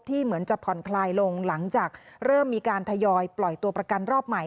เหมือนจะผ่อนคลายลงหลังจากเริ่มมีการทยอยปล่อยตัวประกันรอบใหม่